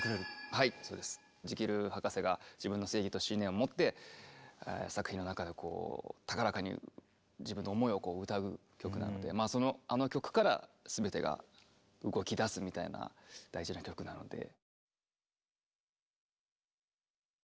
はいそうです。ジキル博士が自分の正義と信念を持って作品の中でこう高らかに自分の思いを歌う曲なのでまあそのあの曲から全てが動きだすみたいな大事な曲なので。